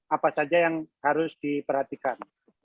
apa saja yang harus diperhatikan